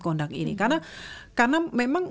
conduct ini karena memang